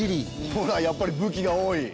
ほらやっぱり武器が多い。